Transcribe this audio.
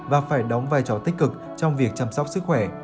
và phải đóng vai trò tích cực trong việc chăm sóc sức khỏe